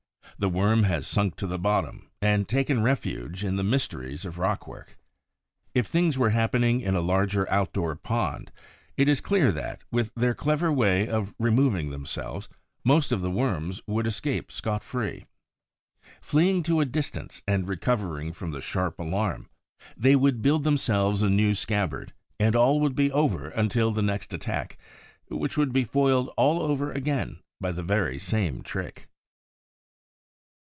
The worm has sunk to the bottom and taken refuge in the mysteries of the rockwork. If things were happening in a larger, outdoor pond, it is clear that, with their clever way of removing themselves, most of the worms would escape scot free. Fleeing to a distance and recovering from the sharp alarm, they would build themselves a new scabbard, and all would be over until the next attack, which would be foiled all over again by the very same trick!